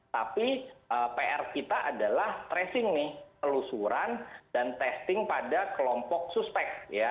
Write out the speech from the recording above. tapi pr kita adalah tracing nih pelusuran dan testing pada kelompok suspek